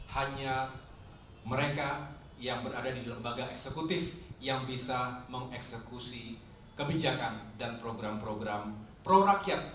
hanya mereka yang berada di lembaga eksekutif yang bisa mengeksekusi kebijakan dan program program pro rakyat